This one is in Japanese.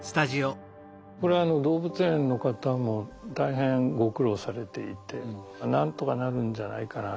これは動物園の方も大変ご苦労されていて何とかなるんじゃないかな。